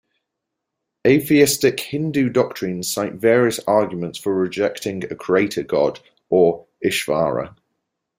Atheistic Hindu doctrines cite various arguments for rejecting a creator God or "Ishvara".